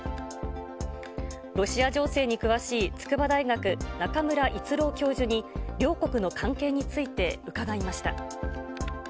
ロシア情勢に詳しい筑波大学、中村逸郎教授に両国の関係について伺いました。